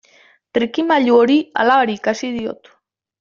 Trikimailu hori alabari ikasi diot.